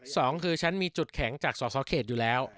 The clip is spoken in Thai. สองคือฉันมีจุดแข็งจากสอสอเขตอยู่แล้ว